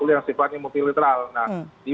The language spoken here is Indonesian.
yang sifatnya multilateral nah di